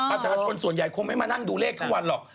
ประชาชนส่วนใหญ่คงไม่มานั่งดูเลขทั้งวันหรอก